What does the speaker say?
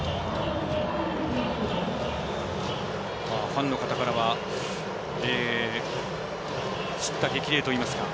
ファンの方からはしった激励といいますか。